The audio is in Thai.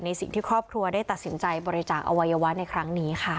สิ่งที่ครอบครัวได้ตัดสินใจบริจาคอวัยวะในครั้งนี้ค่ะ